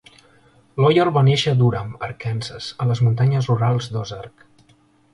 Lollar va néixer a Durham (Arkansas), a les muntanyes rurals d'Ozark.